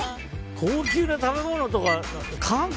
高級な食べ物とか、韓国。